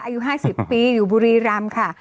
อายุ๕๐ปีอยู่บุรีรำค่ะ